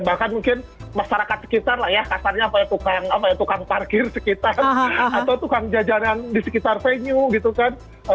bahkan mungkin masyarakat sekitar lah ya kasarnya tukang parkir sekitar atau tukang jajaran di sekitar venue gitu kan